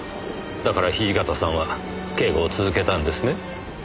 だから土方さんは警護を続けたんですね？